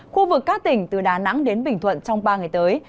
khu vực các tỉnh từ đà nẵng đến bình thuận trong ba ngày tới